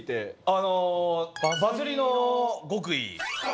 あの「バズりの極意」。